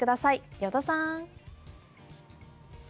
依田さん。